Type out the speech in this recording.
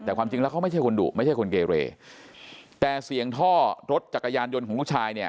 แต่ความจริงแล้วเขาไม่ใช่คนดุไม่ใช่คนเกเรแต่เสียงท่อรถจักรยานยนต์ของลูกชายเนี่ย